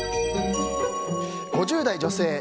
５０代女性。